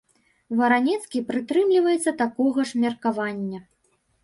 Варанецкі прытрымліваецца такога ж меркавання.